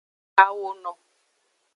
Awono.